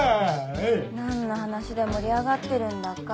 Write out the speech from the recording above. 何の話で盛り上がってるんだか。